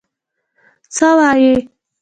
_څه وايي؟